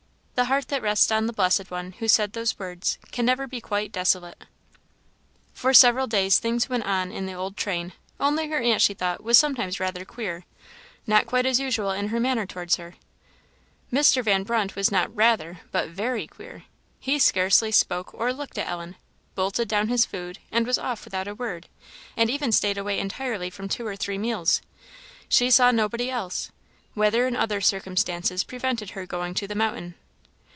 The heart that rests on the blessed One who said those words can never be quite desolate. For several days things went on in the old train, only her aunt, she thought, was sometimes rather queer not quite as usual in her manner towards her. Mr. Van Brunt was not rather, but very queer; he scarce spoke or looked at Ellen; bolted down his food, and was off without a word; and even stayed away entirely from two or three meals. She saw nobody else. Weather and other circumstances prevented her going to the mountain.